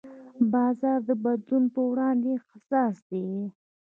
بازار د بدلونونو په وړاندې حساس دی.